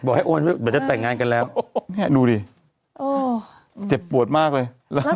บอกให้โอนไปแต่จะแต่งงานกันแล้วเนี้ยดูดิโอ้ยเจ็บปวดมากเลยแล้ว